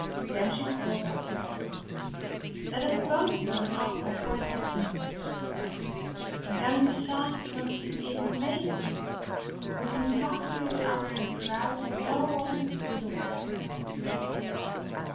Again she spoke out impulsively: "Let us both learn off by heart the symbols of our cipher; and then we shan't want even to make a key. We can talk to each other in a crowd, and no one be the wiser of what we are saying."